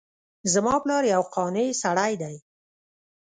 زما پلار یو قانع سړی ده